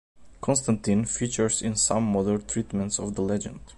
Constantine features in some modern treatments of the legend.